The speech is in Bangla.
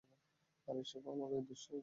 আর এ সব আমার দোষেই হয়েছে।